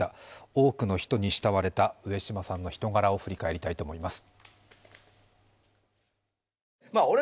多くの人に慕われた上島さんの人柄を振り返りたいと思います。